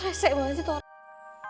reset banget sih tolong